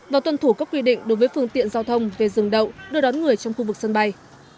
và tuân thủ các quy định đối với phương tiện giao thông về dừng đậu đưa đón người trong khu vực sân bay